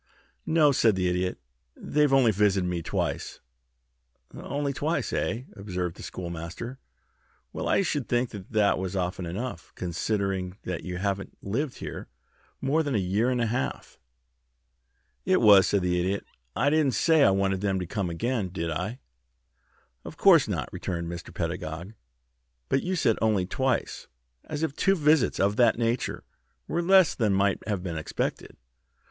"No," said the Idiot. "They've only visited me twice." "Only twice, eh?" observed the Schoolmaster. "Well, I should think that was often enough, considering that you haven't lived here more than a year and a half." "It was," said the Idiot. "I didn't say I wanted them to come again, did I?" "Of course not," returned Mr. Pedagog. "But you said 'only twice,' as if two visits of that nature were less than might have been expected."